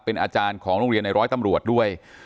เป็นอาจารย์ของโรงเรียนในร้อยตำรวจด้วย